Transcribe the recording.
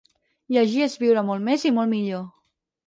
Llegir és viure molt més i molt millor.